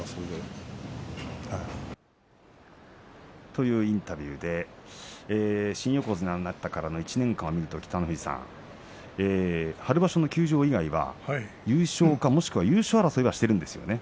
というインタビューで新横綱になってからの１年間を見ると北の富士さん春場所の優勝以来優勝か、もしくは優勝争いをしているんですね